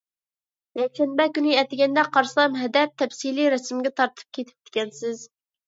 يەكشەنبە كۈنى ئەتىگەندە قارىسام، ھەدەپ تەپسىلىي رەسىمگە تارتىپ كېتىپتىكەنسىز.